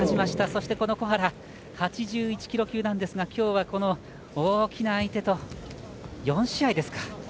そして、小原８１キロ級なんですがきょうは大きな相手と４試合ですか。